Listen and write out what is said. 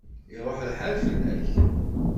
Iṛuḥ lḥal fell-ak.